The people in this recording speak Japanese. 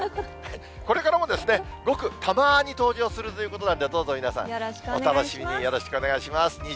これからもごくたまーに登場するということなんで、どうぞ皆さん、お楽しみによろしくお願いします。